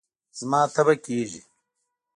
زما تبه کېږي